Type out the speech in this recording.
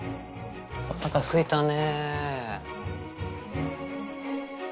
おなかすいたね。